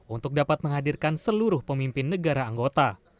untuk dapat menghadirkan seluruh pemimpin negara anggota